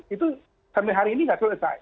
itu sampai hari ini nggak selesai